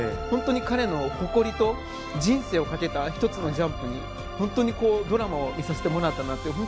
本当に彼の誇りと人生をかけた１つのジャンプに本当にドラマを見させてもらったなと。